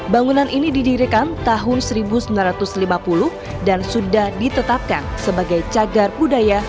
bangunan ini didirikan tahun seribu sembilan ratus lima puluh dan sudah ditetapkan sebagai cagar budaya